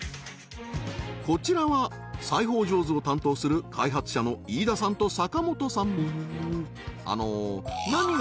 こちらは裁ほう上手を担当する開発者の飯田さんと坂本さん